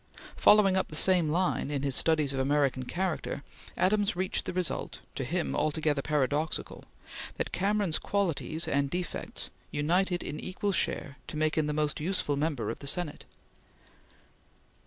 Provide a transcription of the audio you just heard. Following up the same line, in his studies of American character, Adams reached the result to him altogether paradoxical that Cameron's qualities and defects united in equal share to make him the most useful member of the Senate.